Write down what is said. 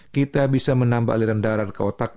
kita bisa menambah aliran darah ke otak